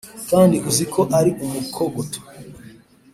Kandi uzi ko ari umukogoto,